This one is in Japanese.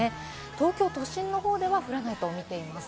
東京都心の方では降らないと思っています。